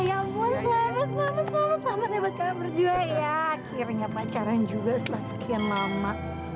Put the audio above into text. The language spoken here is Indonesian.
akhirnya pacaran juga